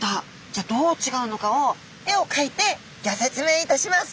じゃあどう違うのかを絵をかいてギョ説明いたします！